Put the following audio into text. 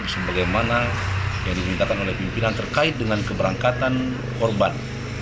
sebagaimana yang dimintakan oleh pimpinan terkait dengan keberangkatan korban